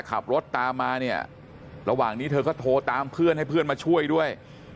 ขับรถตามมาเนี่ยระหว่างนี้เธอก็โทรตามเพื่อนให้เพื่อนมาช่วยด้วย